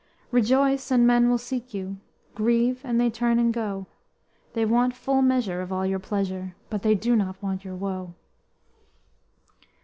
Rejoice, and men will seek you, Grieve, and they turn and go, They want full measure of all your pleasure But they do not want your woe!